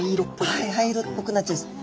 はい灰色っぽくなっちゃうんです。